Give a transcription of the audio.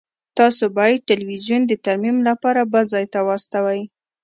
تاسو باید تلویزیون د ترمیم لپاره بل ځای ته واستوئ